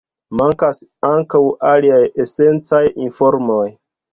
Mankas ankaŭ aliaj esencaj informoj.